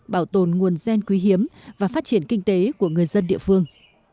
bảo tồn nguồn gen quý hiếm và phát triển kinh tế của người dân địa phương